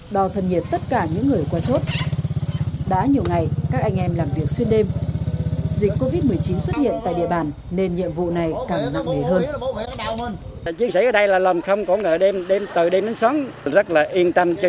đò thân nhiệt tất cả những người qua chốt